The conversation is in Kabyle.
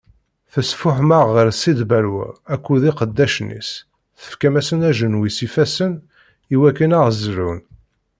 Tesfuḥem-aɣ ɣer Sid Balwa akked iqeddacen-is, tefkam-asen ajenwi s ifassen iwakken ad ɣ-zlun.